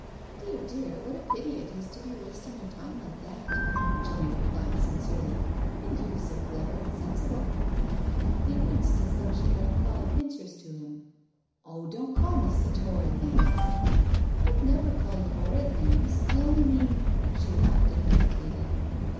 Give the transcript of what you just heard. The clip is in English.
" Dear, dear, what a pity to be wasting your time like that," Jenny replied sincerely, " and you so clever and sensible I" He winced as though she had applied pincers to him: " Oh, don't call me such horrid names I" "I'd never call you horrid names, I only mean " She laughed and hesitated.